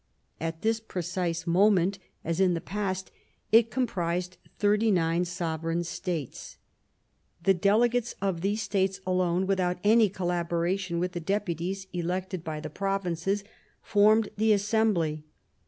At this precise moment, as in the past, it com prised thirty nine Sovereign States ; the Delegates of these States alone, without any collaboration with the Deputies elected by the Provinces, formed ■ftie Assembly.